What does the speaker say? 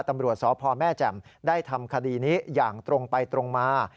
ตำรวจสพแม่แจ่มได้ทำคดีนี้อย่างตรงไปตรงมา